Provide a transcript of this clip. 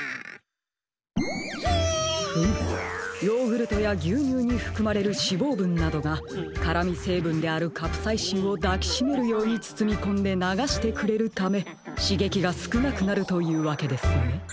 ヨーグルトや牛乳に含まれる脂肪分などが辛み成分であるカプサイシンを抱きしめるように包み込んで流してくれるため刺激が少なくなるというわけですね。